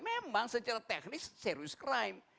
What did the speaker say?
memang secara teknis series crime